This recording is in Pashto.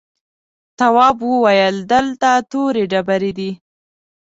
تواب وويل: دلته تورې ډبرې دي.